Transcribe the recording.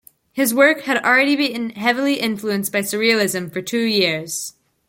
His work had already been heavily influenced by surrealism for two years.